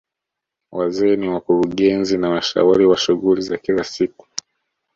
Wazee ni wakurugenzi na washauri wa shughuli za kila siku